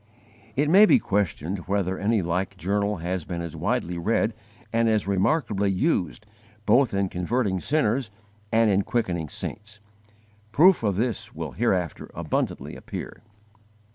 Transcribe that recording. It may be questioned whether any like journal has been as widely read and as remarkably used, both in converting sinners and in quickening saints. Proofs of this will hereafter abundantly appear.